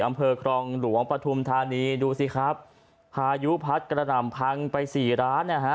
อำเภอครองหลวงปฐุมธานีดูสิครับพายุพัดกระหน่ำพังไปสี่ร้านนะฮะ